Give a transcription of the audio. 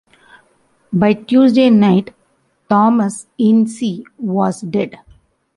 By Tuesday night, Thomas Ince was dead.